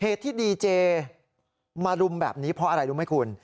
ที่ดีเจมารุมแบบนี้เพราะอะไรรู้ไหมคุณ